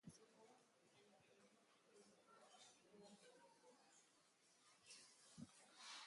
Uste baino errazago irabazi du eslovakiarraren kontra ordu bete iraun duen partidan.